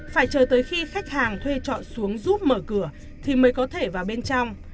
phải chờ tới khi khách hàng thuê trọ xuống giúp mở cửa thì mới có thể vào bên trong